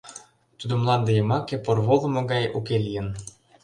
Тудо мланде йымаке порволымо гай уке лийын.